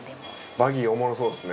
バギーおもろそうですね。